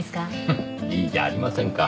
フッいいじゃありませんか。